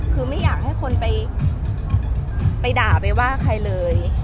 คือไม่อยากให้คนไปด่าไปว่าใครเลย